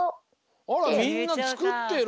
あらみんなつくってるね。